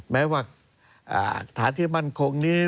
แม้ว่าฐานที่มั่นคงนี้